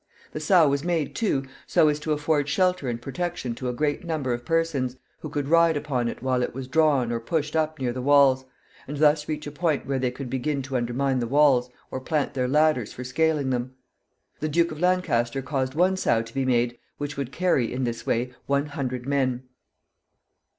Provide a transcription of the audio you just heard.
The sow was made, too, so as to afford shelter and protection to a great number of persons, who could ride upon it while it was drawn or pushed up near the walls, and thus reach a point where they could begin to undermine the walls, or plant their ladders for scaling them. The Duke of Lancaster caused one sow to be made which would carry, in this way, one hundred men.